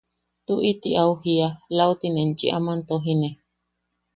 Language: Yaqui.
–Tuʼiti au jia –lauti ne enchi aman tojine.